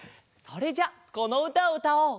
それじゃこのうたをうたおう！